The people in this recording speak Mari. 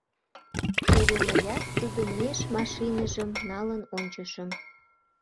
Теве мыят тудын меж машиныжым налын ончышым.